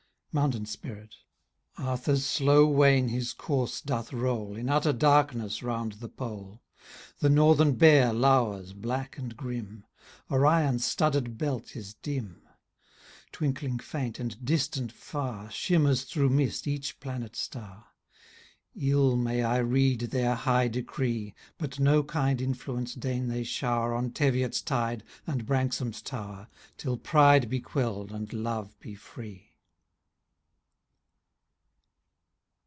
MOUNTAIN SPIRIT. «* Arthur's slow wain his course doth roll. In utter darkness round the pole ; The Northern Bear lowers black and grim : Orion's studded belt is dim ; Twmkling feint, and distant far. Shimmers through mist each planet star ; 111 may I read their high decree I But no kind influence deign they shower On Teviot's tide, and Branksome's tower. Till pride be quell'd, and love be free.